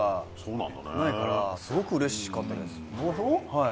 はい。